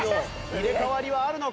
入れ替わりはあるのか？